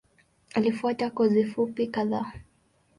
Alifuata kozi fupi kadhaa.